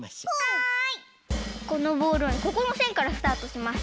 このボールはここのせんからスタートします。